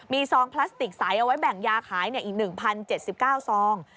มีซองพลาสติกใสเอาไว้แบ่งยาขายอีก๑๐๗๙ซอง